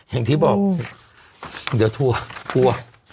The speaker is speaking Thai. อย่างที่บอกเดี๋ยวทั่วกลัว